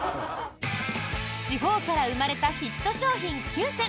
地方から生まれたヒット商品９選！